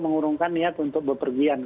mengurungkan niat untuk bepergian